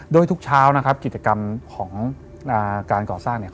โดยทุกเช้าขิตกรรมของการก่อสร้าง